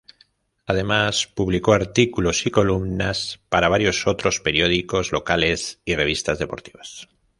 Además publicó artículos y columnas para varios otros periódicos locales y revistas deportivas.